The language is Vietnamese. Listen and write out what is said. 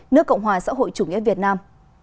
nước cộng hòa xã hội chủ nghĩa việt nam